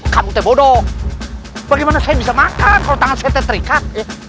kamu tebodoh bagaimana saya bisa makan kalau tangan saya terikat